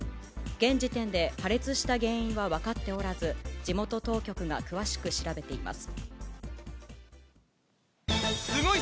現時点で破裂した原因は分かっておらず、地元当局が詳しく調べています。